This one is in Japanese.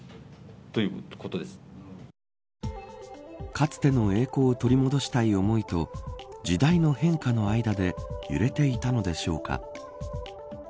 かつての栄光を取り戻したい思いと時代の変化の間で揺れていたのでしょうか。